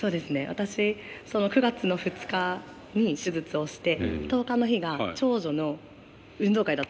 私９月の２日に手術をして１０日の日が長女の運動会だったんです。